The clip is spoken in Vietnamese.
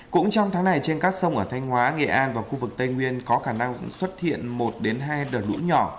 cũng trong tháng này trên các sông ở thanh hóa nghệ an và khu vực tây nguyên có khả năng xuất hiện một hai đợt lũ nhỏ